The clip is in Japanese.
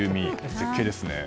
絶景ですね。